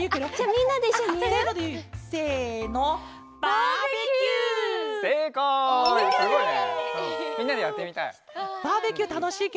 みんなでやってみたい。